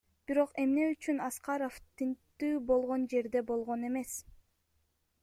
Бирок эмне үчүн Аскаров тинтүү болгон жерде болгон эмес?